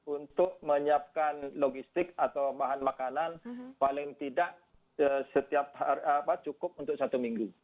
untuk menyiapkan logistik atau bahan makanan paling tidak cukup untuk satu minggu